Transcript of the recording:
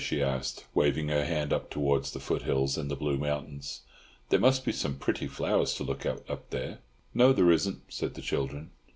she asked, waving her hand up towards the foothills and the blue mountains. "There must be some pretty flowers to look at up there?" "No, there isn't," said the children.